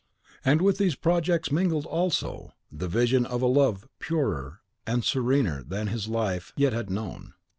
And with these projects mingled also the vision of a love purer and serener than his life yet had known.